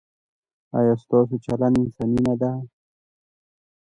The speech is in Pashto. ایا ستاسو چلند انساني نه دی؟